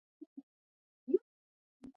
آیا نړۍ زموږ تولیدات پیژني؟